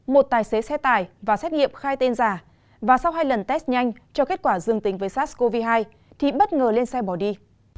một tài xế xe tải vào xét nghiệm khai tên giả và sau hai lần test nhanh cho kết quả dương tính với sars cov hai thì bất ngờ lên xe bỏ đi